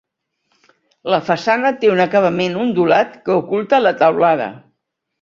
La façana té un acabament ondulat que oculta la teulada.